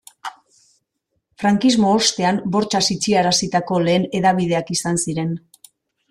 Frankismo ostean bortxaz itxiarazitako lehen hedabideak izan ziren.